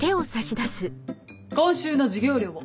今週の授業料を。